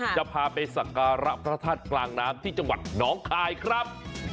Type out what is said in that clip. จะพาไปสักการะพระธาตุกลางน้ำที่จังหวัดน้องคายครับ